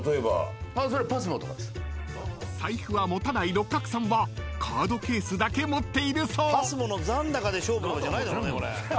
［財布は持たない六角さんはカードケースだけ持っているそう］